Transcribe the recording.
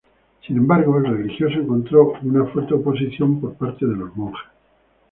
Sin embargo, el religioso encontró una fuerte oposición por parte de los monjes.